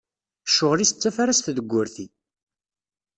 Ccɣel-is d tafarast deg urti.